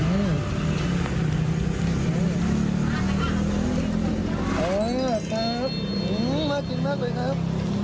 เออครับมากจริงมากเลยครับ